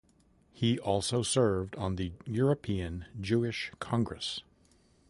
He also served on the European Jewish Congress.